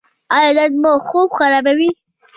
ایا درد مو خوب خرابوي؟